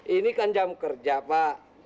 ini kan jam kerja pak